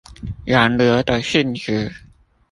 洋流的性質